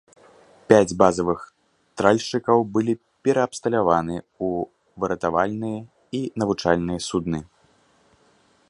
Пяць базавых тральшчыкаў былі пераабсталяваны ў выратавальныя і навучальныя судны.